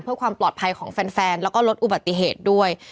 เพื่อความปลอดภัยของแฟนแล้วก็ลดอุบัติเหตุด้วย